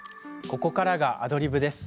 ここからがアドリブです。